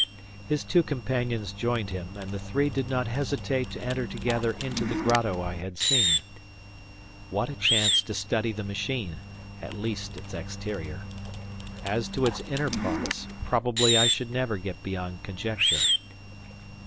His two companions joined him, and the three did not hesitate to enter together into the grotto I had seen. What a chance to study the machine, at least its exterior! As to its inner parts, probably I should never get beyond conjecture.